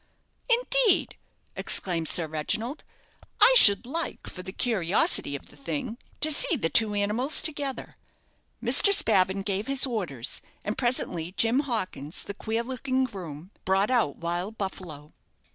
"Indeed!" exclaimed Sir Reginald; "I should like, for the curiosity of the thing, to see the two animals together." Mr. Spavin gave his orders, and presently Jim Hawkins, the queer looking groom, brought out "Wild Buffalo."